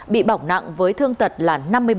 bị bỏng nặng với thương tật là năm mươi bảy